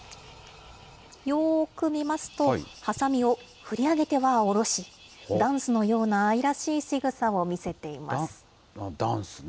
よーく見ますと、はさみを振り上げては下ろし、ダンスのような愛らしいしぐさを見ダンスね。